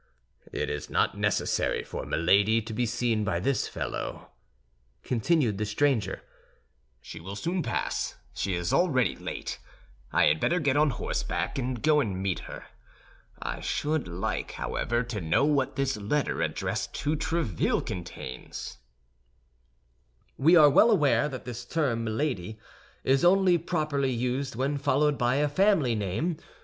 "It is not necessary for Milady* to be seen by this fellow," continued the stranger. "She will soon pass; she is already late. I had better get on horseback, and go and meet her. I should like, however, to know what this letter addressed to Tréville contains." And the stranger, muttering to himself, directed his steps toward the kitchen. * We are well aware that this term, milady, is only properly used when followed by a family name.